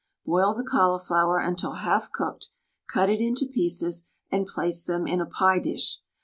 Boil the cauliflower until half cooked, cut it into pieces, and place them in a pie dish.